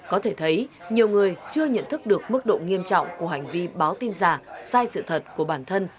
có thể thấy nhiều người chưa nhận thức được mức độ nghiêm trọng của hành vi báo tin giả sai sự thật của bản thân